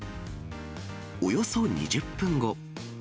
およそ２０分後。